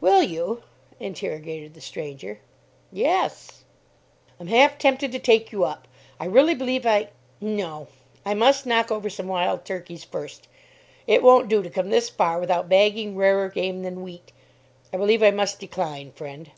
"Will you?" interrogated the stranger. "Yes." "I'm half tempted to take you up. I really believe I no! I must knock over some wild turkeys first. It won't do to come this far without bagging rarer game than wheat. I believe I must decline, friend."